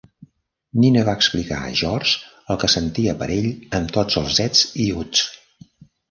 Nina va explicar a George el que sentia per ell amb tots els ets i uts.